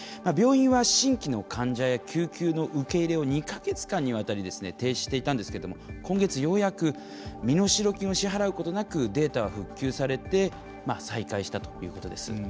病院は、新規の患者や救急の受け入れを２か月間にわたり停止していたんですけれども今月ようやく身代金を支払うことなくデータは復旧されて再開したということです。